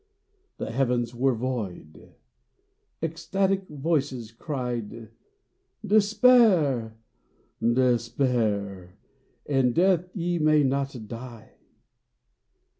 The Heavens were void ; ecstatic voices cried, " Despair ! Despair ! in death ye may not die